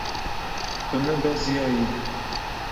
Tu nebeziyayî.